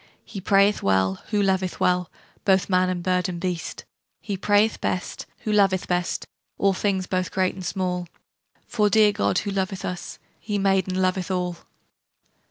He prayeth well, who loveth well Both man and bird and beast. He prayeth best, who loveth best All things both great and small; For the dear God who loveth us, He made and loveth all.'